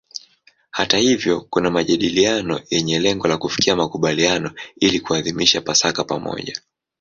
Hata hivyo kuna majadiliano yenye lengo la kufikia makubaliano ili kuadhimisha Pasaka pamoja.